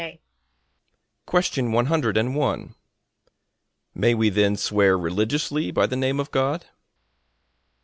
A.